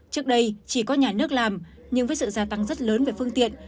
trước đây chỉ có nhà nước làm nhưng với sự gia tăng rất lớn về phương tiện